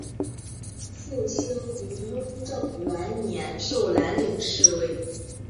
傅清于雍正元年授蓝翎侍卫。